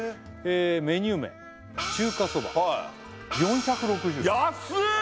メニュー名中華そば４６０円安っ！